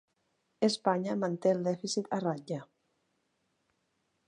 Espanya manté el dèficit a ratlla